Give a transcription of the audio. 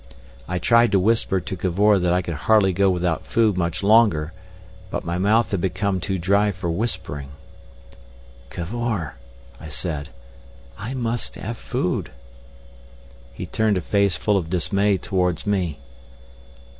I tried to whisper to Cavor that I could hardly go without food much longer, but my mouth had become too dry for whispering. "Cavor," I said, "I must have food." He turned a face full of dismay towards me.